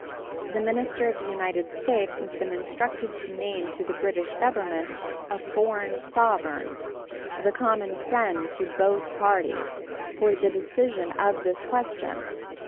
The minister of the United States has been instructed to name to the British Government a foreign sovereign, the common friend to both parties, for the decision of this question.